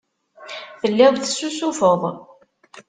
Telliḍ tessusufeḍ.